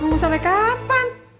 nunggu sampai kapan